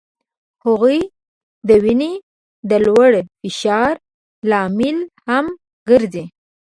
هغوی د وینې د لوړ فشار لامل هم ګرځي.